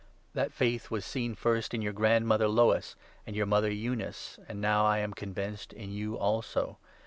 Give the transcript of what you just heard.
That faith was seen first in your grandmother Lois and your mother Eunice, and is now, I am convinced, in you also.